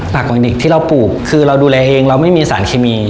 หลักของเด็กที่เราปลูกคือเราดูแลเองเราไม่มีสารเคมี